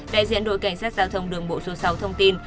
đại diện đội cảnh sát giao thông đường bộ số sáu thông tin